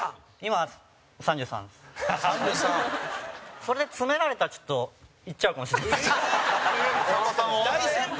それで詰められたら、ちょっといっちゃうかもしれないです。